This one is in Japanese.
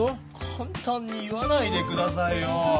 かんたんに言わないで下さいよ。